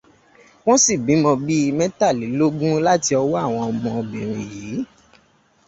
Wọ́n sì bímọ bíi mẹ́tàlélógún láti ọwọ́ àwọn obìnrin yìí.